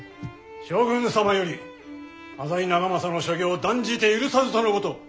将軍様より浅井長政の所業断じて許さずとのこと。